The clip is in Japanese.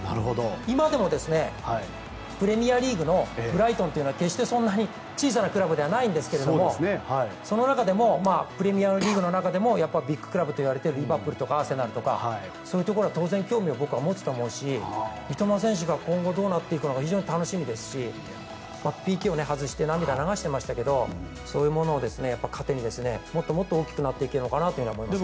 今でもプレミアリーグのブライトンというのは決してそんなに小さなクラブではないんですがその中でもプレミアリーグの中でもビッグクラブといわれているリバプールとかアーセナルとかそういうところは当然、興味を持つと思うし三笘選手が今後どうなっていくのか非常に楽しみですしＰＫを外して涙を流してましたけどそういうものを糧にもっともっと大きくなっていけるのかなと思います。